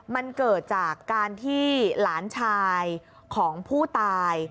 มันเกิดจากการที่หลานชายของผู้ตาย